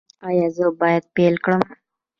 ایا زه باید پیل کړم؟